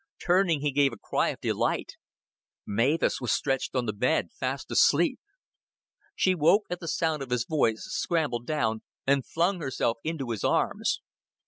Turning, he gave a cry of delight. Mavis was stretched on the bed, fast asleep. She woke at the sound of his voice, scrambled down, and flung herself into his arms.